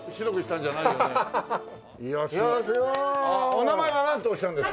お名前はなんておっしゃるんですか？